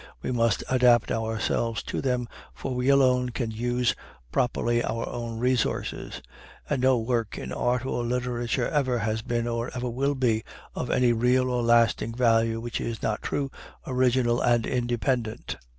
We must adapt ourselves to them, for we alone can use properly our own resources; and no work in art or literature ever has been, or ever will be, of any real or lasting value which is not true, original, and independent.